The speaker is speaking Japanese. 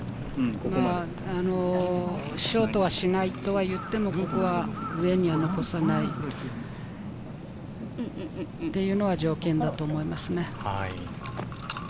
ショートはしないとは言っても、ここは上には残さないというのが条件だと思いますね。